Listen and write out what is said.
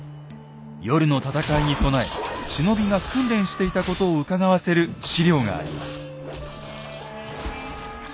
夜の戦いに備え忍びが訓練していたことをうかがわせる史料があります。